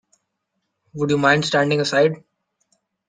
Would you mind standing aside?